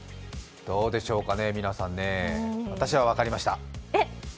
どうでしょうかね、皆さんね私は分かりました。